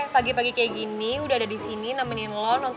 pagi pagi kayak gini udah ada disini nemenin lo nontonin kak aldo main basket